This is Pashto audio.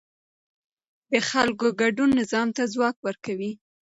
د خلکو ګډون نظام ته ځواک ورکوي